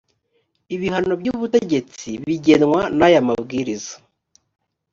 ibihano by’ubutegetsi bigenwa n’aya mabwiriza